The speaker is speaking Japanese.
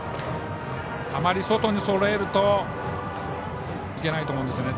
あまり外にそろえるといけないと思います。